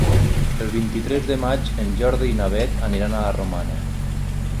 El vint-i-tres de maig en Jordi i na Beth aniran a la Romana.